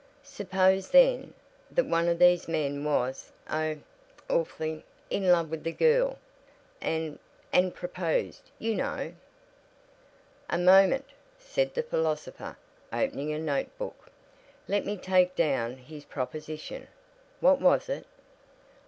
"Suppose, then, that one of these men was, oh, awfully in love with the girl, and and proposed, you know " "A moment!" said the philosopher, opening a note book. "Let me take down his proposition. What was it?"